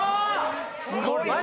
すごいな。